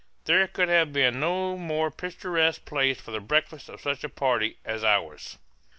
There could have been no more picturesque place for the breakfast of such a party as ours.